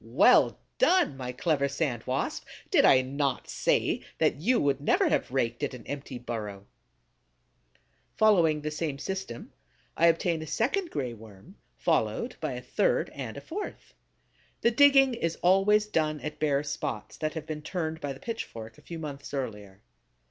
Well done, my clever Sand Wasp! Did I not say that you would never have raked at an empty burrow? Following the same system, I obtain a second Gray Worm, followed by a third and a fourth. The digging is always done at bare spots that have been turned by the pitchfork a few months earlier.